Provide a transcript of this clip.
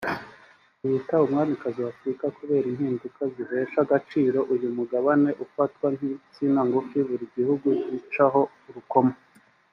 yiyita umwamikazi wa Afurika kubera impinduka zihesha agaciro uyu Mugabane ufatwa nk’insina ngufi buri gihugu gicaho urukoma